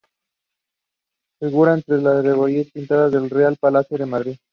Figura entre las alegorías pintadas en el Real Palacio de Madrid.